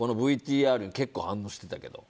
ＶＴＲ、結構反応してたけど。